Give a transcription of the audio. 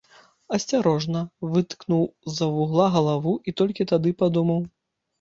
Асцярожна выткнуў з-за вугла галаву і толькі тады падумаў.